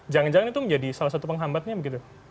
jangan jangan itu menjadi salah satu penghambatnya begitu